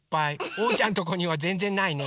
おうちゃんとこにはぜんぜんないね。